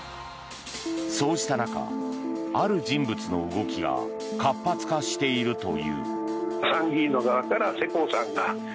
そうした中、ある人物の動きが活発化しているという。